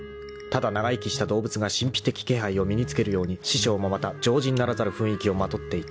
［ただ長生きした動物が神秘的気配を身に付けるように師匠もまた常人ならざる雰囲気をまとっていた］